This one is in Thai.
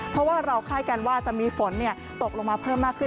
เพราะว่าเราคาดการณ์ว่าจะมีฝนตกลงมาเพิ่มมากขึ้น